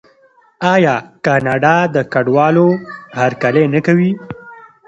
آیا کاناډا د کډوالو هرکلی نه کوي؟